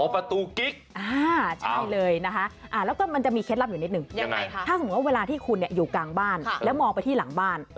ประตูกิ๊กใช่เลยนะคะแล้วก็มันจะมีเคล็ดลับอยู่นิดนึงถ้าสมมุติว่าเวลาที่คุณอยู่กลางบ้านแล้วมองไปที่หลังบ้าน